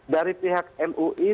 dari pihak mui